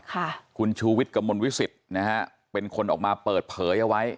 ค่ะคุณชูวิทย์กระมวลวิสิตนะฮะเป็นคนออกมาเปิดเผยเอาไว้